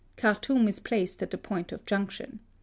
Khartoum is placed at the • point of junction.